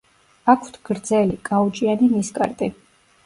აქვთ გრძელი, კაუჭიანი ნისკარტი.